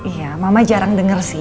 iya mama jarang denger sih